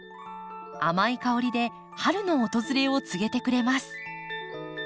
甘い香りで春の訪れを告げてくれます。